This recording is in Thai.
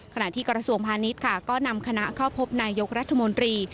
กระทรวงพาณิชย์ค่ะก็นำคณะเข้าพบนายยกรัฐมนตรี